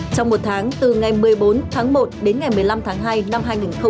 trong một tháng từ ngày một mươi bốn tháng một đến ngày một mươi năm tháng hai năm hai nghìn hai mươi